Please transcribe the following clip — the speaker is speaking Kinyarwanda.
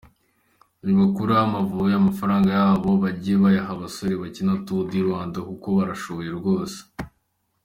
Nibakureho Amavubi, amafaranga yaho bajye bayaha abasore bakina Tour du Rwanda kuko barashoboye rwose.